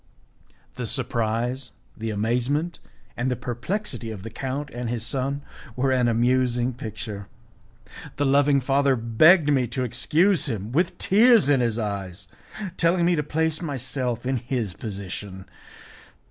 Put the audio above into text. The surprise, the amazement, and the perplexity of the count and his son were an amusing picture. The loving father begged me to excuse him, with tears in his eyes, telling me to place myself in his position.